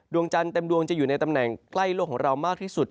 จันทร์เต็มดวงจะอยู่ในตำแหน่งใกล้โลกของเรามากที่สุด